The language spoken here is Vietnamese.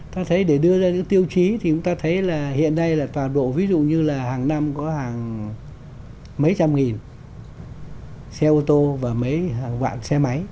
ta thấy để đưa ra những tiêu chí thì chúng ta thấy là hiện nay là toàn bộ ví dụ như là hàng năm có hàng mấy trăm nghìn xe ô tô và mấy hàng vạn xe máy